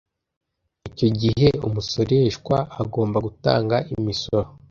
icyo gihe umusoreshwa agomba gutanga imisoro